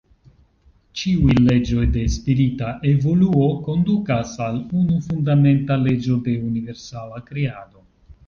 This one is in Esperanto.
Ĉiuj leĝoj de spirita evoluo kondukas al unu fundamenta leĝo de universala kreado.